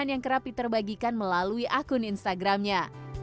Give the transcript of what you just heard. yang kerap diterbagikan melalui akun instagramnya